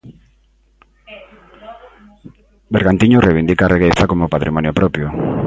Bergantiños reivindica a regueifa como patrimonio propio.